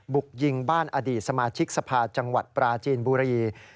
บุกยิงบ้านอดีตสมาชิกสภาจังหวัดปราจีนบุรี